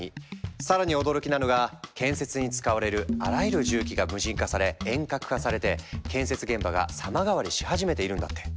更に驚きなのが建設に使われるあらゆる重機が無人化され遠隔化されて建築現場が様変わりし始めているんだって！